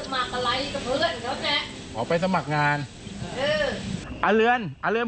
สมัครอะไรกับเพื่อนอ๋อไปสมัครงานอืมอ๋อเรือนอ๋อเรือน